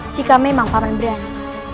jika memang paman berani